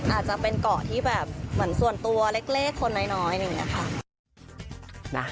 อาจจะเป็นเกาะที่แบบเหมือนส่วนตัวเล็กคนน้อยอะไรอย่างนี้ค่ะ